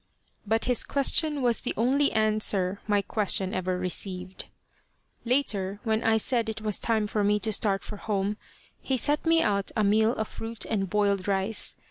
But his question was the only answer my question ever received. Later, when I said it was time for me to start for home, he set me out a meal of fruit and boiled rice.